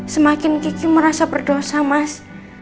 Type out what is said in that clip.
semakin kiki merasa berdosa mas